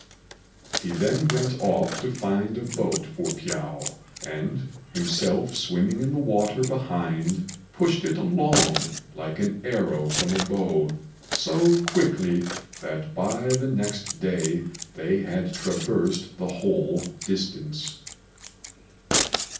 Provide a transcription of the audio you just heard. He then went off to find a boat for Piao, and, himself swimming in the water behind, pushed it along like an arrow from a bow, so quickly that by the next day they had traversed the whole distance.